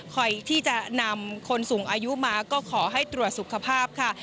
ที่จะนำคนสูงอายุมาก็ขอให้ตรวจสุขภาพค่ะ